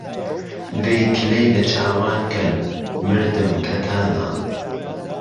دهی کلهی له چاوان کهن، مردم کهتانه